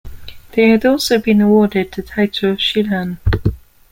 They had also been awarded the title of Shihan.